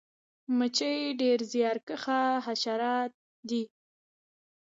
مچۍ ډیر زیارکښه حشرات دي